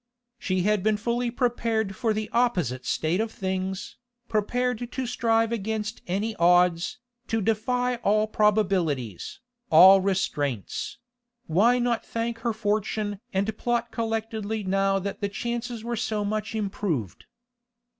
She had been fully prepared for the opposite state of things, prepared to strive against any odds, to defy all probabilities, all restraints; why not thank her fortune and plot collectedly now that the chances were so much improved?